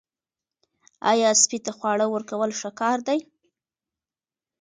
آیا سپي ته خواړه ورکول ښه کار دی؟